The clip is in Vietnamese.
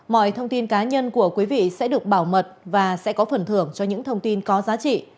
mọi thông tin cá nhân của quý vị sẽ được bảo mật và sẽ có phần thưởng cho những thông tin có giá trị